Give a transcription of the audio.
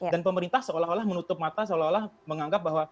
dan pemerintah seolah olah menutup mata seolah olah menganggap bahwa